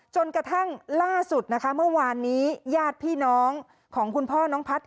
จนกระทั่งล่าสุดนะคะเมื่อวานนี้ญาติพี่น้องของคุณพ่อน้องพัฒน์